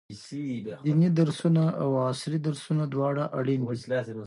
ديني درسونه او عصري درسونه دواړه اړين دي.